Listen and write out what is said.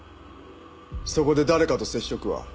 そこで誰かと接触は？